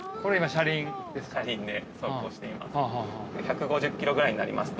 ◆車輪で走行しています。